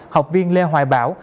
học viên lê hoài bảo